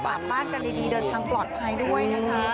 กลับบ้านกันดีเดินทางปลอดภัยด้วยนะคะ